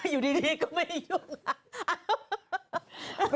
อยู่ดีก็ไม่ยุ่ง